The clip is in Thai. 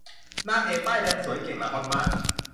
นางเอกป้ายแดง สวย เก่ง และฮอตมาก